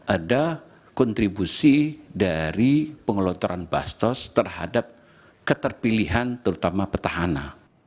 ada kontribusi dari pengelotoran bastos terhadap keterpilihan terutama petahana